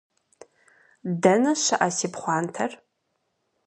Дэнэ щыӏэ си пхъуантэр?